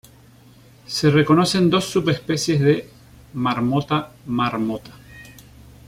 Se reconocen dos subespecies de "Marmota marmota".